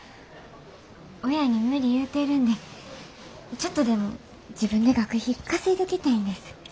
親に無理言うてるんでちょっとでも自分で学費稼いどきたいんです。